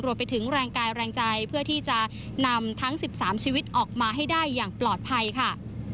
ไปถึงแรงกายแรงใจเพื่อที่จะนำทั้ง๑๓ชีวิตออกมาให้ได้อย่างปลอดภัยค่ะ